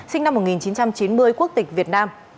sinh năm một nghìn chín trăm chín mươi quốc tịch việt nam